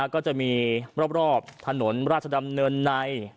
ก็จะมีรอบถนนราชดำเนินใน